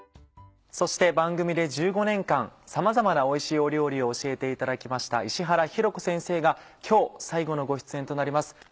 そして番組で１５年間さまざまなおいしいお料理を教えていただきました石原洋子先生が今日最後のご出演となります。